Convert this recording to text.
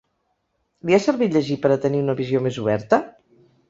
Li ha servit llegir per a tenir una visió més oberta?